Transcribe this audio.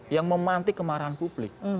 yang memantik kemarahan publik